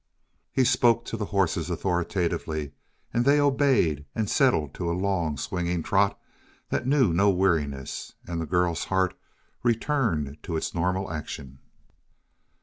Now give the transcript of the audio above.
He spoke to the horses authoritatively, and they obeyed and settled to a long, swinging trot that knew no weariness, and the girl's heart returned to its normal action.